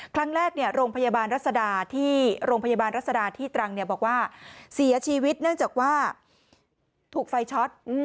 โรงพยาบาลรัศดาที่โรงพยาบาลรัศดาที่ตรังบอกว่าเสียชีวิตเนื่องจากว่าถูกไฟช็อต